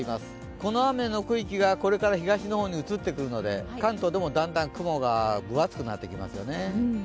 この雨の区域がこれから東の方に移ってくるので関東でもだんだん雲が分厚くなってきますよね。